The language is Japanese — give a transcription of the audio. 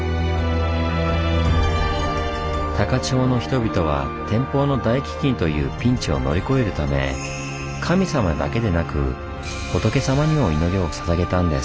高千穂の人々は天保の大飢饉というピンチを乗り越えるため神様だけでなく仏様にも祈りをささげたんです。